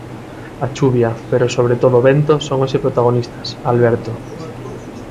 A chuvia, pero sobre todo o vento, son hoxe protagonistas, Alberto...